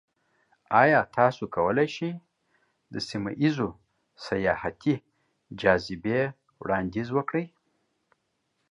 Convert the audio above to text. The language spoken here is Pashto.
ایا تاسو کولی شئ د سیمه ایزو سیاحتي جاذبې وړاندیز وکړئ؟